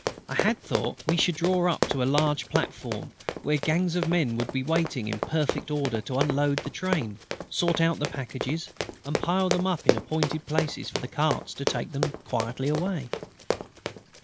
I had thought we should draw up at a large platform where gangs of men would be waiting, in perfect order, to unload the train, sort out the packages, and pile them up in their appointed places for the carts to take them quietly away.